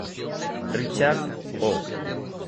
Richard O.